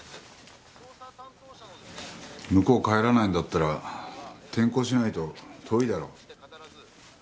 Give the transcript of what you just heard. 向こう帰らないんだったら転校しないと遠いだろう。